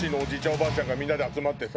おばあちゃんがみんなで集まってさ。